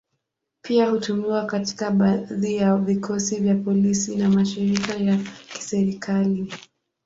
Pia hutumiwa katika baadhi ya vikosi vya polisi na mashirika ya kiserikali.